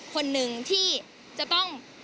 คนหนึ่งที่จะต้อง